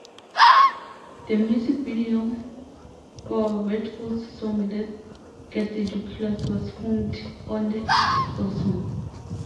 The music video for Redfoo's song Let's Get Ridiculous was filmed on The Corso.